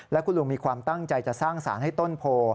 และคุณลุงมีความตั้งใจจะสร้างสารให้ต้นโพ